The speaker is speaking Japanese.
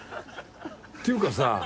ていうかさ